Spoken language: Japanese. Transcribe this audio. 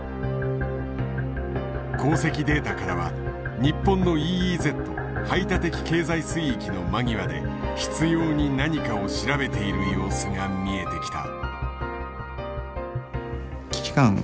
航跡データからは日本のＥＥＺ排他的経済水域の間際で執拗に何かを調べている様子が見えてきた。